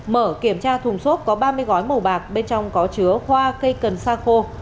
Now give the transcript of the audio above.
mở kiểm tra thùng xốp có ba mươi gói màu bạc bên trong có chứa hoa cây cần sa khô